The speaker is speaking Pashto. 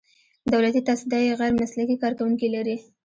دولتي تصدۍ غیر مسلکي کارکوونکي لري.